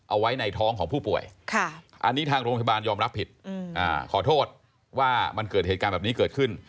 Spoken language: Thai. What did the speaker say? เอาไว้ในท้องของผู้ป่วยอันนี้ทางโรงพยาบาลยอมรับผิดขอโทษว่ามันเกิดเหตุการณ์แบบนี้เกิดขึ้น